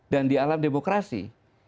dan di alam demokrasi